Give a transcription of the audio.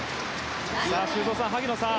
修造さん、萩野さん。